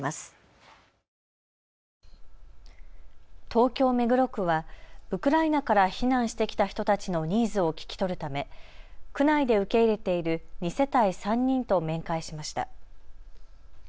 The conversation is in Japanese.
東京目黒区はウクライナから避難してきた人たちのニーズを聞き取るため区内で受け入れている２世帯３人と面会しました。